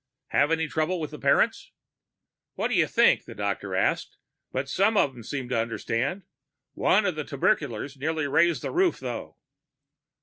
"Have any trouble with the parents?" "What do you think?" the doctor asked. "But some of them seemed to understand. One of the tuberculars nearly raised the roof, though."